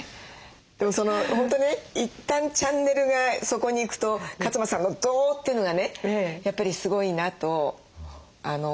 でも本当ね一旦チャンネルがそこに行くと勝間さんのドーッていうのがねやっぱりすごいなと思う。